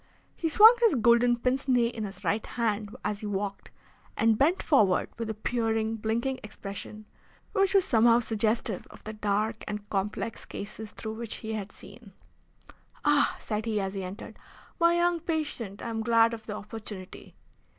He swung his golden pince nez in his right hand as he walked, and bent forward with a peering, blinking expression, which was somehow suggestive of the dark and complex cases through which he had seen. "Ah," said he, as he entered. "My young patient! I am glad of the opportunity."